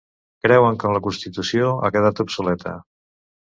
Creuen que la constitució ha quedat obsoleta.